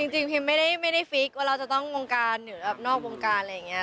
จริงพิมไม่ได้ฟิกว่าเราจะต้องวงการหรือแบบนอกวงการอะไรอย่างนี้